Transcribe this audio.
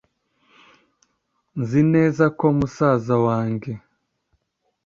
. Nzi neza ko musaza wange